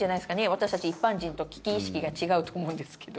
私たち一般人と危機意識が違うと思うんですけど。